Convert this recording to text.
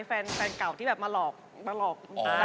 แฟนเก่าที่มาหลอกดาม